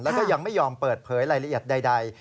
แล้วก็ยังไม่ยอมเปิดเผยรายละเอียดใด